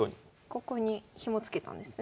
ここにヒモつけたんですね。